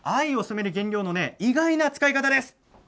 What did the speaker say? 藍の染める原料の意外な使い方です。